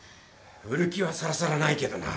売る気はさらさらないけどな。